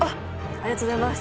ありがとうございます。